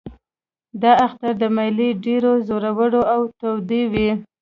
د اختر دا مېلې ډېرې زورورې او تودې وې.